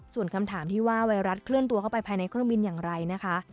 ส่วนคำถามที่ว่าไวรัสเคลื่อนตัวเข้าไปภายในเครื่องบินอย่างไรนะคะ